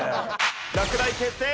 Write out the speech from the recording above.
落第決定！